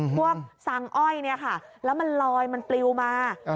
พวกสังอ้อยแล้วมันลอยมันปลิวมา